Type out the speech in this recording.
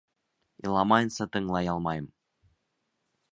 Иламайынса тыңлай алмайым.